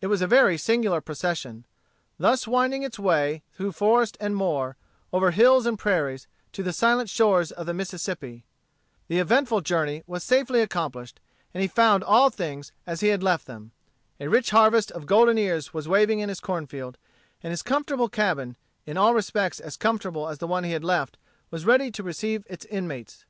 It was a very singular procession, thus winding its way, through forest and moor, over hills and prairies, to the silent shores of the Mississippi. The eventful journey was safely accomplished, and he found all things as he had left them. A rich harvest of golden ears was waving in his corn field; and his comfortable cabin, in all respects as comfortable as the one he had left, was ready to receive its inmates.